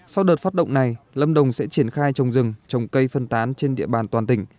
sau đợt phát động này lâm đồng sẽ triển khai trồng rừng trồng cây phân tán trên địa bàn toàn tỉnh